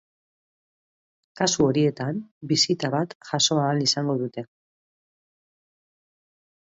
Kasu horietan bisita bat jaso ahal izango dute.